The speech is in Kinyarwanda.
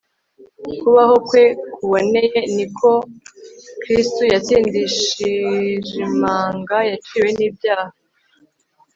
Kubaho kwe kuboneye ni kwo Kristo yatindishijimanga yaciwe nibyaha